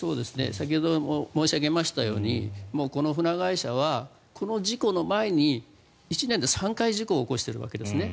先ほど申し上げましたようにこの船会社はこの事故の前に１年で３回事故を起こしているわけですね。